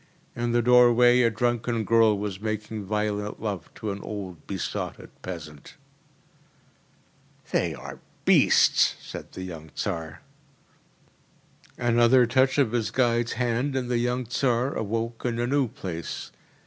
In the doorway a drunken girl was making violent love to an old besotted peasant. “They are beasts!‚ÄĚ said the young Tsar. Another touch of his guide’s hand and the young Tsar awoke in a new place.